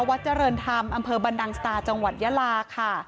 วัดเจริญธรรมอำเภอบรรดังสตาจังหวัดยาลาค่ะ